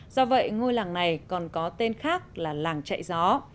do vậy ngôi làng này còn có tên khác là làng chạy gió